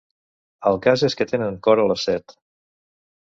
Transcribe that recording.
El cas és que tenen cor a les set.